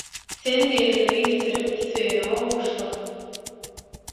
Sen diriligi ýitirip, söýeniňe gowuşdyň